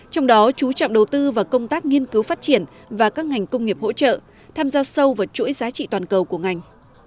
trong đó chú trọng đầu tư vào công tác nghiên cứu phát triển và các ngành công nghiệp hỗ trợ tham gia sâu vào chuỗi giá trị toàn cầu của ngành